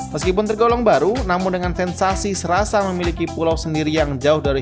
meskipun tergolong baru namun dengan sensasi serasa memiliki pulau sendiri yang jauh dari